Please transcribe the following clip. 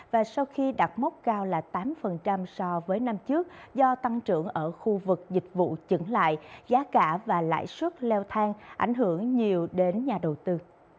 và sau khi đặt mốc cao là tám so với năm trước do tăng trưởng ở khu vực dịch vụ chứng lại giá cả và lãi suất leo thang ảnh hưởng nhiều đến nhà đầu tư